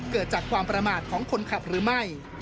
เกิดจากความประมาทของคนขับหรือไม่